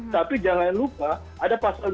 tapi jangan lupa ada pasal dua puluh